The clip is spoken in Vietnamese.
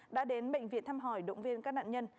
đã đến bệnh viện thăm hỏi động viên các nạn nhân